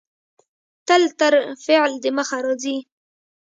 تل تر فعل د مخه راځي.